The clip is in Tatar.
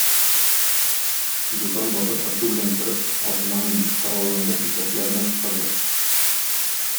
Дутан батыр ачу белән торып, атына менде, коралланды, иптәшләренә кычкырды.